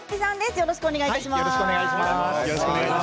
よろしくお願いします。